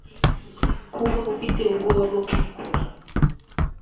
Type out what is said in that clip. kuba ufite ubwoba bwo kuyikora